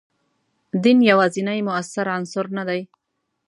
دین یوازینی موثر عنصر نه دی.